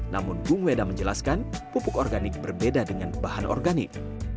namun gung weda menjelaskan pupuk organik berbeda dengan bahan organik